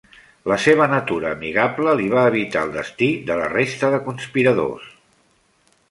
La seva natura amigable li va evitar el destí de la resta de conspiradors.